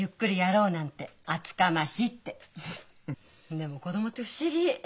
でも子供って不思議。